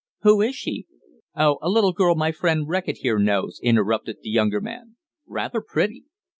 "Who is she?" "Oh! a little girl my friend Reckitt here knows," interrupted the younger man. "Rather pretty.